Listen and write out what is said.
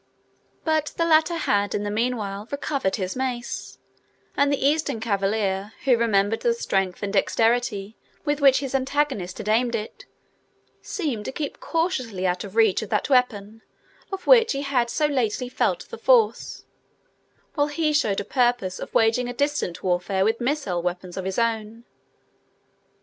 But the latter had in the meanwhile recovered his mace, and the Eastern cavalier, who remembered the strength and dexterity with which his antagonist had aimed it, seemed to keep cautiously out of reach of that weapon of which he had so lately felt the force, while he showed his purpose of waging a distant warfare with missile weapons of his own.